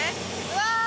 うわ！